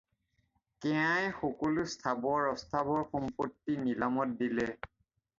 কেঞাই সকলো স্থাৱৰ অস্থাৱৰ সম্পত্তি নিলামত দিলে।